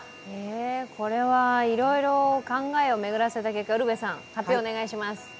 これは、いろいろ考えを巡らせた結果ウルヴェ、発表お願いします。